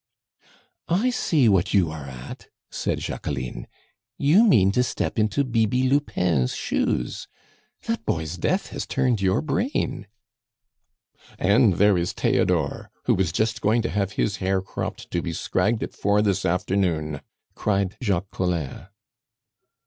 "I see what you are at," said Jacqueline; "you mean to step into Bibi Lupin's shoes. That boy's death has turned your brain." "And there is Theodore, who was just going to have his hair cropped to be scragged at four this afternoon!" cried Jacques Collin.